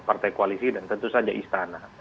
partai koalisi dan tentu saja istana